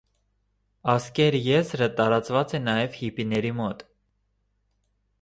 Ասկեր եզրը տարածված է նաև հիպիների մոտ։